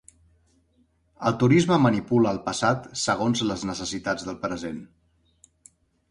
El turisme manipula el passat segons les necessitats del present.